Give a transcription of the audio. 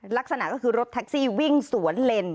ลักษณะก็คือรถแท็กซี่วิ่งสวนเลน